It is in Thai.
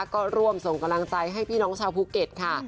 ก็ร่วมส่งกำลังใจให้พี่น้องชาวภูเก็ตค่ะ